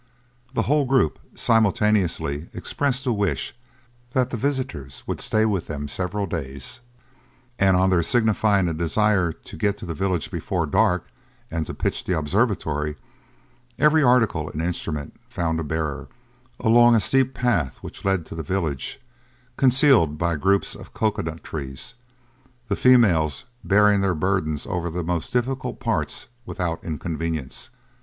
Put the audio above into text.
The whole group simultaneously expressed a wish that the visitors would stay with them several days; and on their signifying a desire to get to the village before dark and to pitch the observatory, every article and instrument found a bearer, along a steep path which led to the village, concealed by groups of cocoa nut trees; the females bearing their burthens over the most difficult parts without inconvenience.